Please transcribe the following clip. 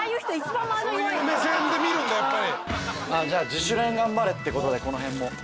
自主練頑張れってことでこの辺も。